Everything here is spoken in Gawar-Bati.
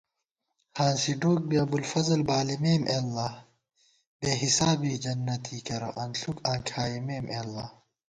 ہانسِی ڈوک بی ابوالفضل بالِمېم اے اللہ * بے حسابے جنتی کېرہ انݪُوک آں کھائیمېم اے اللہ